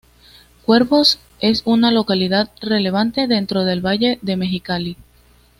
Cuervos es una localidad relevante dentro del valle de Mexicali.